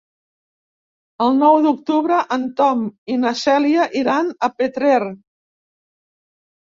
El nou d'octubre en Tom i na Cèlia iran a Petrer.